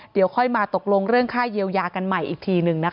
เดี๋ยวค่อยมาตกลงเรื่องค่าเยียวยากันใหม่อีกทีหนึ่งนะคะ